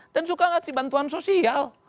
dan suka gak sih bantuan sosial